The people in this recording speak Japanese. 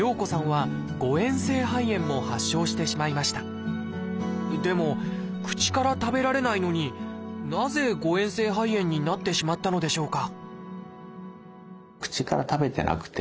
さらにでも口から食べられないのになぜ誤えん性肺炎になってしまったのでしょうか？